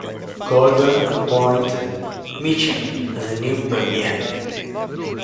Gordon appointed Mitchell as the new premier.